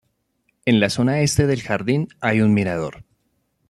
En la zona este del jardín hay un mirador.